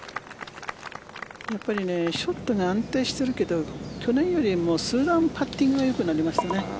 やっぱりショットが安定しているけど去年よりも数段パッティングがよくなりましたね。